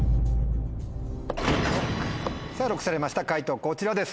さぁＬＯＣＫされました解答こちらです。